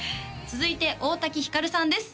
続いて大滝ひかるさんです